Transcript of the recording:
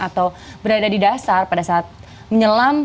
atau berada di dasar pada saat menyelam